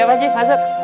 ya pak haji masuk